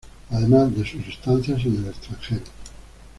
Además, de sus estancias en el extranjero.